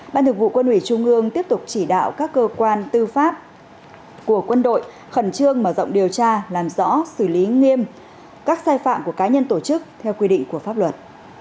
ban thực vụ quân ủy trung ương tiếp tục chỉ đạo các cơ quan tư pháp của quân đội khẩn trương mở rộng điều tra làm rõ xử lý nghiêm các sai phạm của cá nhân tổ chức theo quy định của pháp luật